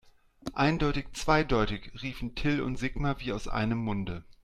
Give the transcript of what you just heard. Eindeutig zweideutig, riefen Till und Sigmar wie aus einem Munde.